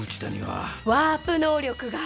ワープ能力がある？